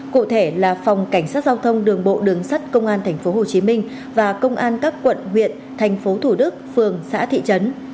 cụ thể là phòng cảnh sát giao thông đường bộ đường sắt công an tp hcm và công an các quận huyện thành phố thủ đức phường xã thị trấn